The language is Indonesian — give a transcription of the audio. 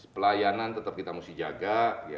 pelayanan tetap kita mesti jaga